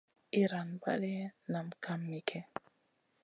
Iyran balley nah kam miguè.